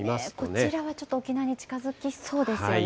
こちらはちょっと沖縄に近づきそうですよね。